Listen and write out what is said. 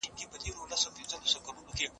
د زده کړي زمینه باید ټولو ته برابره وي.